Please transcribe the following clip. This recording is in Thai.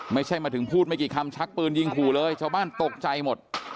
ไม่ใช่มาถึงพูดไม่กี่คำชักปืนยิงขู่เลยชาวบ้านตกใจหมด